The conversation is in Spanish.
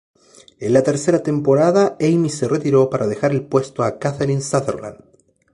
En la tercera temporada, Amy se retiró para dejar el puesto a Catherine Sutherland.